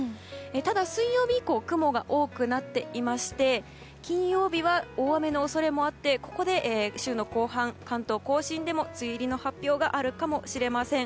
ただ、水曜日以降雲が多くなっていまして金曜日は大雨の恐れもあってここで週の後半、関東・甲信でも梅雨入りの発表があるかもしれません。